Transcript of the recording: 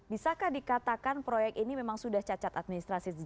bisakah dikatakan proyek ini memang sudah cacat administrasi